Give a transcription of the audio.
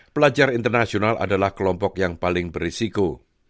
pelajar internasional adalah kelompok yang paling berisiko